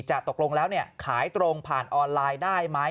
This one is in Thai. ตกลงแล้วขายตรงผ่านออนไลน์ได้ไหม